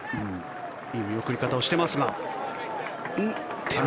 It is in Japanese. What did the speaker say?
いい見送り方をしていますが、手前。